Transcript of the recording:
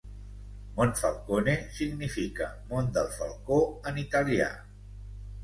Monfalcone significa "mont del falcó" en italià.